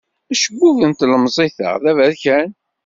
Acebbub n tlemẓit-a d aberkan.